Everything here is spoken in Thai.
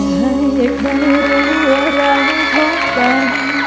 ให้ใครรู้ว่าเรามีความต่ำ